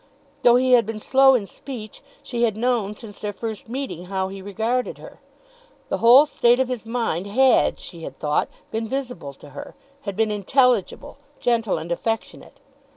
Though he had been slow in speech, she had known since their first meeting how he regarded her! The whole state of his mind had, she had thought, been visible to her, had been intelligible, gentle, and affectionate.